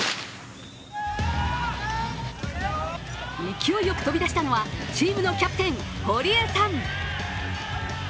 勢いよく飛びだしたのはチームのキャプテン・堀江さん。